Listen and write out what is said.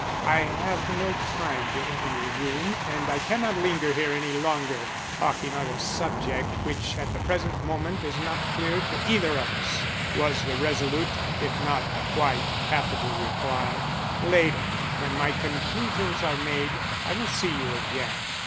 "I have no time to enter your room, and I cannot linger here any longer talking on a subject which at the present moment is not clear to either of us," was the resolute if not quite affable reply. "Later, when my conclusions are made, I will see you again.